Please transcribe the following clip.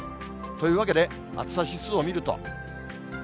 というわけで暑さ指数を見ると。